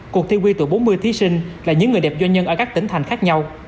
cuộc thi quy tụ bốn mươi thí sinh là những người đẹp doanh nhân ở các tỉnh thành khác nhau